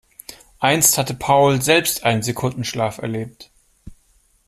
Einst hatte Paul selbst einen Sekundenschlaf erlebt.